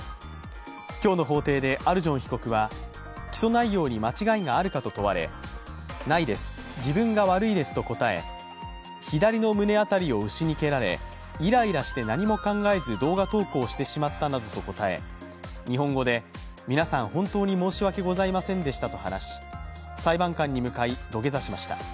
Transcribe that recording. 今日の法廷でアルジョン被告は起訴内容に間違いがあるかと問われないです、自分が悪いですと答え、左の胸辺りを牛に蹴られ、イライラして何も考えず動画投稿してしまったと答え、日本語で皆さん本当に申し訳ございませんでしたと話し裁判官に向かい、土下座しました。